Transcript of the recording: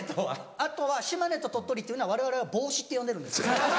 あとは島根と鳥取っていうのはわれわれは帽子って呼んでるんです。